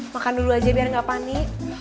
makan dulu aja biar nggak panik